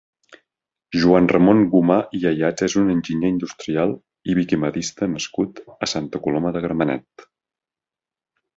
Joan Ramon Gomà i Ayats és un enginyer industrial i viquimedista nascut a Santa Coloma de Gramenet.